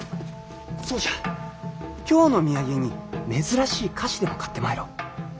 そうじゃ京の土産に珍しい菓子でも買ってまいろう。